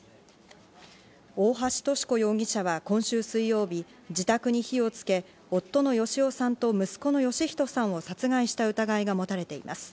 大橋とし子容疑者は今週水曜日、自宅に火をつけ夫の芳男さんと息子の芳人さんを殺害した疑いが持たれています。